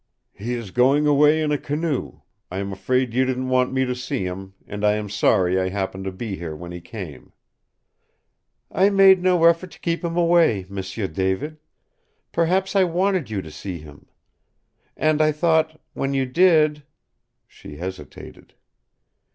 "He is going away in a canoe. I am afraid you didn't want me to see him, and I am sorry I happened to be here when he came." "I made no effort to keep him away, M'sieu David. Perhaps I wanted you to see him. And I thought, when you did " She hesitated.